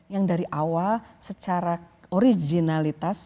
yang dari awal secara originalitas